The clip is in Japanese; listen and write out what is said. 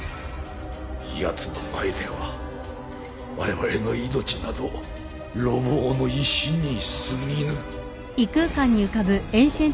やつの前ではわれわれの命など路傍の石に過ぎぬ。